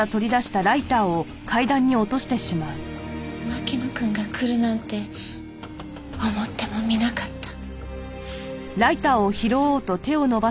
牧野くんが来るなんて思ってもみなかった。